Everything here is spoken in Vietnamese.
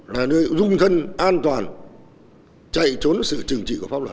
là nơi rung thân an toàn chạy trốn sự trừng trị của pháp luật